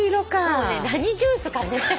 そうね何ジュースかね。